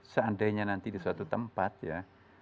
seandainya nanti di suatu tempat ya